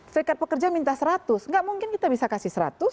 serikat pekerja minta seratus nggak mungkin kita bisa kasih seratus